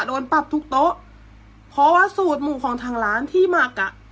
โดนปรับทุกโต๊ะเพราะว่าสูตรหมูของทางร้านที่หมักอ่ะ